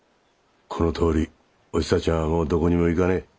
このとおりおひさちゃんはもうどこにも行かねえ。